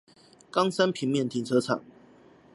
岡山平面停車場